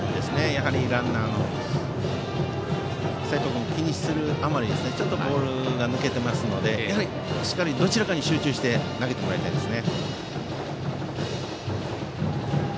やはり、ランナーの齋藤君を気にするあまりボールが抜けてますのでどちらかに集中して投げてもらいたいですね。